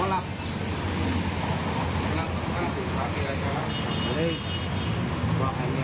ลงมากลับมาใหม่